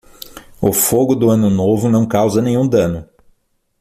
O fogo do Ano Novo não causa nenhum dano.